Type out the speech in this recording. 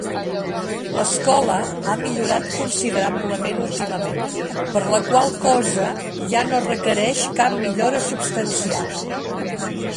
L'escola ha millorat considerablement últimament, per la qual cosa ja no requereix cap millora substancial.